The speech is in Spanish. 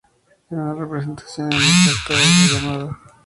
Es una representación inexacta de la llama.